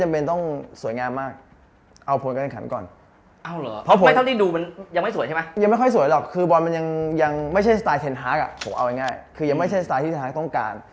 เป็นสไตล์ที่ธินเทพต้องการ